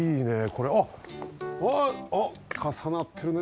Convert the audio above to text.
これあっかさなってるね。